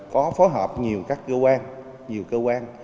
có phối hợp nhiều cơ quan